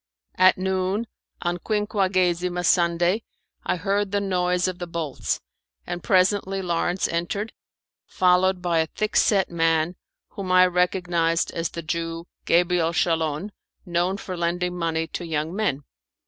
At noon, on Quinquagesima Sunday, I heard the noise of the bolts, and presently Lawrence entered, followed by a thick set man whom I recognized as the Jew, Gabriel Schalon, known for lending money to young men.